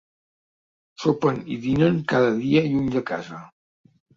Sopen i dinen cada dia lluny de casa.